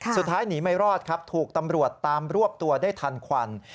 สุดท้ายหนีไม่รอดครับถูกตำรวจตามรวบตัวได้ทันควัน